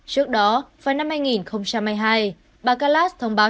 trước đó vào năm hai nghìn một mươi hai bạc kayakalas thông báo